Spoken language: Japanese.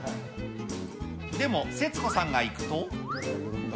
でも、節子さんが行くと。